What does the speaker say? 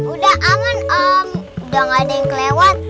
udah aman om udah gak ada yang kelewat